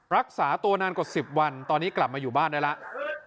รักษาตัวนานกว่า๑๐วันตอนนี้กลับมาอยู่บ้านได้แล้ว